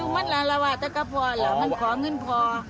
มันมันราวะมันของเงินพอ